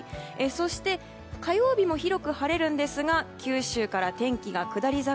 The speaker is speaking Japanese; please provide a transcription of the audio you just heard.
そして、火曜日も広く晴れるんですが九州から天気が下り坂。